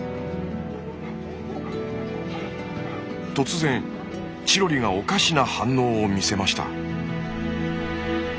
突然チロリがおかしな反応を見せました。